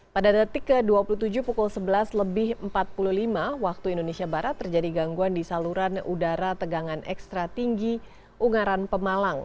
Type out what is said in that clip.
pada detik ke dua puluh tujuh pukul sebelas lebih empat puluh lima waktu indonesia barat terjadi gangguan di saluran udara tegangan ekstra tinggi ungaran pemalang